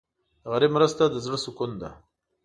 د غریب مرسته د زړه سکون ده.